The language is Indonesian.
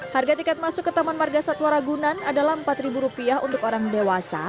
harga tiket masuk ke taman marga satwa ragunan adalah rp empat untuk orang dewasa